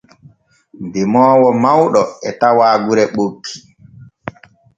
Demoowo mawɗo e tawa gure ɓokki.